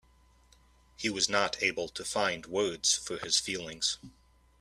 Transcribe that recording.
He was not able to find words for his feelings.